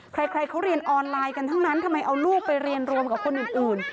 ใครเขาเรียนออนไลน์กันทั้งนั้นทำไมเอาลูกไปเรียนรวมกับคนอื่น